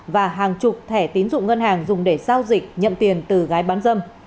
và hàng chục thẻ tín dụng ngân hàng dùng để giao dịch nhận tiền từ gái bán dâm